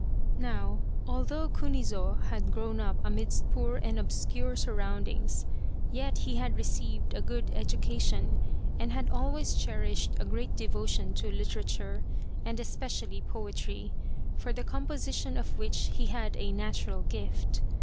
Now, although Kunizo had grown up amidst poor and obscure surroundings, yet he had received a good education, and had always cherished a great devotion to literature, and especially poetry, for the composi tion of which he had a natural gift.